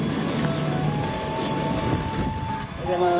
おはようございます。